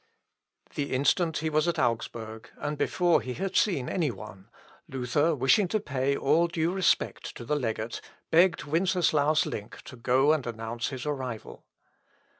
The instant he was at Augsburg, and before he had seen any one, Luther, wishing to pay all due respect to the legate, begged Winceslaus Link to go and announce his arrival.